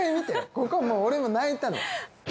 ここ俺も泣いたの。